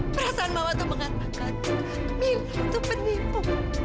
perasaan mama itu mengatakan milo itu penipu